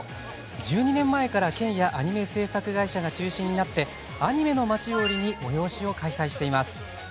１２年前から県やアニメ制作会社が中心となってアニメのまちを売りに催しを開催しています。